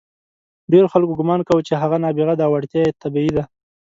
ډېرو خلکو ګمان کاوه چې هغه نابغه دی او وړتیا یې طبیعي ده.